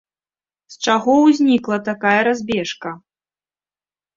З чаго ўзнікла такая разбежка?